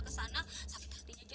ya sama sama berhenti